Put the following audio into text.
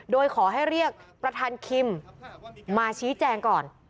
โดยขอให้เรียกประธานคิมมาชี้แจงก่อน